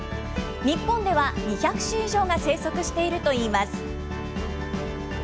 日本では２００種以上が生息しているといいます。